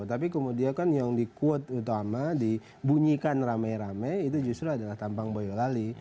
tapi kemudian kan yang di quote utama dibunyikan rame rame itu justru adalah tampang boyolali